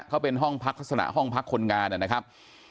เขาเป็นห้องพักลักษณะห้องพักคนงานนะครับ